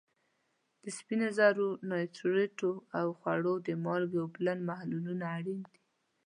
د سپینو زرو نایټریټو او د خوړو د مالګې اوبلن محلولونه اړین دي.